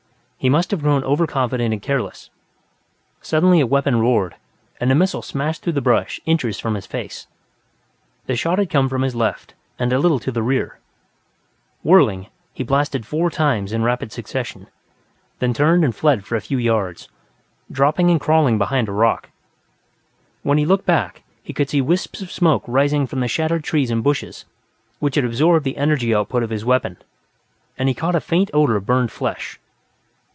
He must have grown over confident and careless; suddenly a weapon roared, and a missile smashed through the brush inches from his face. The shot had come from his left and a little to the rear. Whirling, he blasted four times, in rapid succession, then turned and fled for a few yards, dropping and crawling behind a rock. When he looked back, he could see wisps of smoke rising from the shattered trees and bushes which had absorbed the energy output of his weapon, and he caught a faint odor of burned flesh.